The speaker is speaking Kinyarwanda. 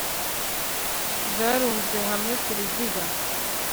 zarunzwe hamwe ku ruziga.